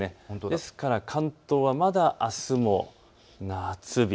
ですから関東はまだあすも夏日。